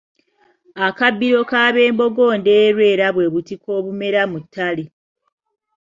Akabbiro k'abembogo Ndeerwe era bwebutiko obweru obumera mu ttale.